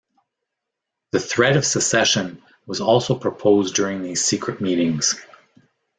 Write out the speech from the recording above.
The threat of secession was also proposed during these secret meetings.